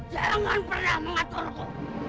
jangan pernah mengaturku